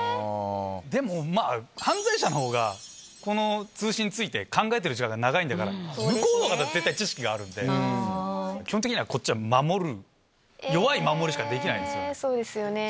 でも、まあ、犯罪者のほうが、この通信について、考えてる時間が長いんだから、向こうのほうが絶対知識があるんで、基本的には、こっちは守る、そうですよね。